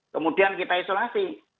kemudian kita isolasi